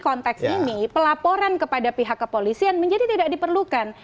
konteks ini pelaporan kepada pihak kepolisian menjadi tidak diperlukan